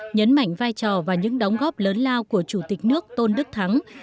nhấn mạnh vai trò và những đóng góp lớn lao của chủ tịch nước tôn đức thắng